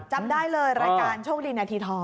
จำได้เลยรายการโชคดีนาทีทอง